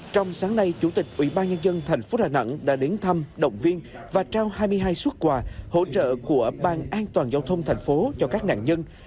trong sáng nay chủ tịch ủy ban nhân dân thành phố đà nẵng đã đến thăm động viên và trao hai mươi hai xuất quà hỗ trợ của ban an toàn giao thông thành phố cho các nạn nhân